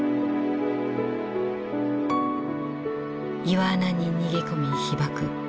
岩穴に逃げ込み被爆。